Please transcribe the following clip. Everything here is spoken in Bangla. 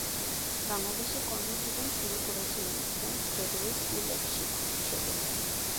বাংলাদেশে কর্মজীবন শুরু করেছিলেন সেন্ট গ্রেগরি স্কুলের শিক্ষক হিসেবে।